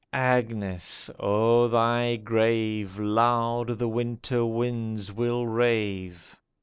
Agnes ! o'er thy grave Loud the winter winds will rave.